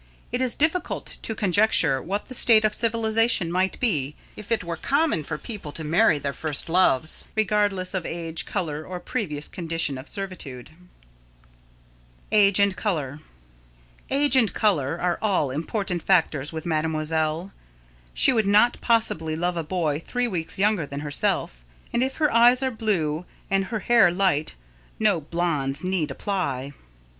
It is difficult to conjecture what the state of civilisation might be, if it were common for people to marry their first loves, regardless of "age, colour, or previous condition of servitude." [Sidenote: Age and Colour] Age and colour are all important factors with Mademoiselle. She could not possibly love a boy three weeks younger than herself, and if her eyes are blue and her hair light, no blondes need apply.